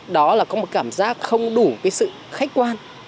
đó là có một cảm giác không đủ cái sự khách quan